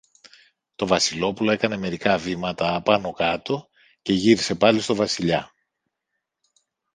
Το Βασιλόπουλο έκανε μερικά βήματα απάνω-κάτω και γύρισε πάλι στο Βασιλιά.